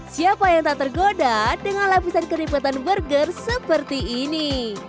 siapa yang tak tergoda dengan lapisan keripatan burger seperti ini